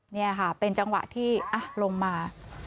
นี่ค่ะเป็นจังหวะที่ลงมา